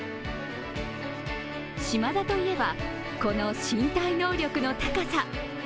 島田といえばこの身体能力の高さ。